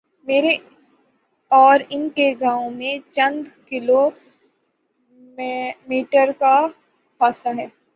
میرے اور ان کے گاؤں میں چند کلو میٹرکا فاصلہ ہے۔